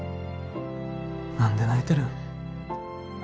何で泣いてるん？